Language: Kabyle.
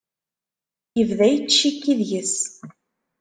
Yebda yettcikki deg-s.